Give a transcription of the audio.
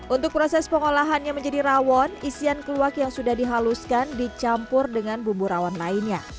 untuk proses pengolahannya menjadi rawon isian keluak yang sudah dihaluskan dicampur dengan bumbu rawon lainnya